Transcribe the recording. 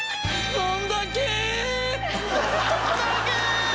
どんだけ！